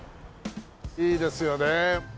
いいですよね。